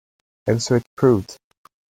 And so it proved.